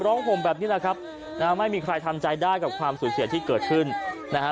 ห่มแบบนี้แหละครับนะฮะไม่มีใครทำใจได้กับความสูญเสียที่เกิดขึ้นนะฮะ